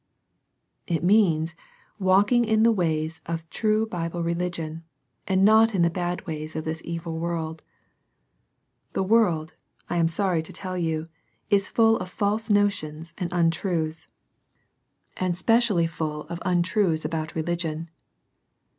It means walking in the ways of true Bible religion, and not in the bad ways of this evil world. The world, I am sorry to tell you, is full of false notions and \n\liu\5[v's», ^xv.^ 's^^'^^^bS^ 34 SERMONS FOR CHILDREN. full of untruths about religion.